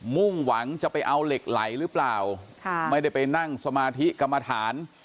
มุ่งหวังจะไปเอาเหล็กไหลหรือเปล่าไม่ได้ไปนั่งสมาธิกรรมฐาน